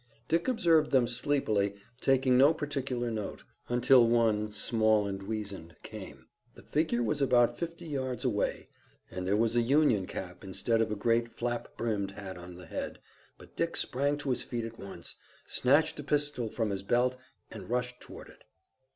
Dick observed them sleepily, taking no particular note, until one, small and weazened, came. The figure was about fifty yards away, and there was a Union cap instead of a great flap brimmed hat on the head, but Dick sprang to his feet at once, snatched a pistol from his belt and rushed toward it.